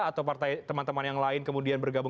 atau partai teman teman yang lain kemudian bergabung